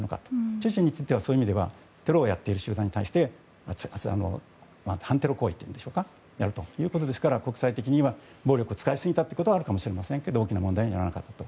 チェチェンについてはテロをやっている集団に対して反テロ行為をやるということですから国際的に暴力を使いすぎたということはあるかもしれませんが大きな問題にはならなかったと。